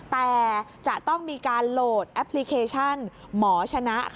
แต่จะต้องมีการโหลดแอปพลิเคชันหมอชนะ